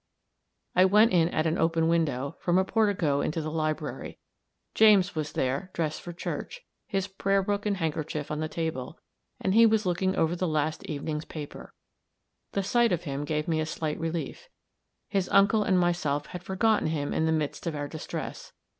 I went in at an open window, from a portico into the library. James was there, dressed for church, his prayer book and handkerchief on the table, and he looking over the last evening's paper. The sight of him gave me a slight relief; his uncle and myself had forgotten him in the midst of our distress.